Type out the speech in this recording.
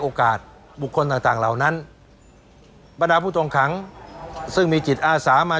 โอกาสบุคคลต่างต่างเหล่านั้นบรรดาผู้ต้องขังซึ่งมีจิตอาสามา